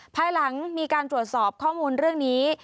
ภายหลังมีการตรวจสอบข้อมูลเรื่องนี้